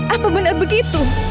apa benar begitu